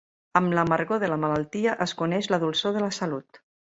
Amb l'amargor de la malaltia es coneix la dolçor de la salut.